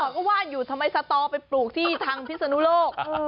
ก็ว่าอยู่ทำไมสตอไปปลูกที่ทางพิศนุโลก